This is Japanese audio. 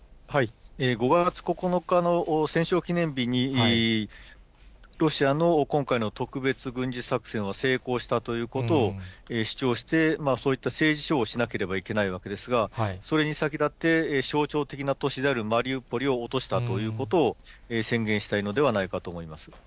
５月９日の戦勝記念日にロシアの今回の特別軍事作戦は成功したということを主張して、そういった政治ショーをしなければいけないわけですが、それに先立って、象徴的な都市であるマリウポリを落としたということを、宣言したいのではないかと思います。